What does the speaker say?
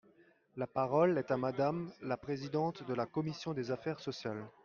La parole est à Madame la présidente de la commission des affaires sociales.